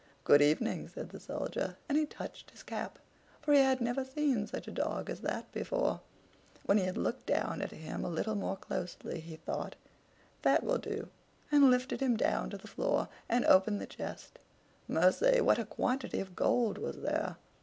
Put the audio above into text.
"Good evening!" said the Soldier; and he touched his cap, for he had never seen such a dog as that before. When he had looked at him a little more closely, he thought: "That will do," and lifted him down to the floor, and opened the chest. Mercy! What a quantity of gold was there!